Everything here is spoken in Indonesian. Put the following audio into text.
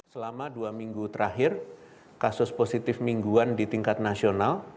selama dua minggu terakhir kasus positif mingguan di tingkat nasional